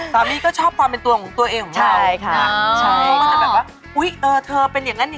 สามีก็ชอบความเป็นตัวเอยของเธอ